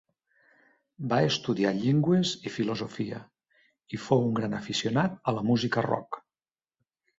Va estudiar llengües i filosofia i fou un gran aficionat a la música rock.